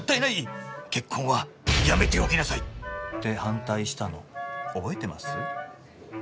「結婚はやめておきなさい」って反対したの覚えてます？